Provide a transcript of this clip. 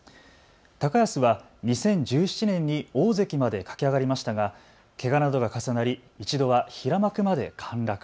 高安は２０１７年に大関まで駆け上がりましたがけがなどが重なり一度は平幕まで陥落。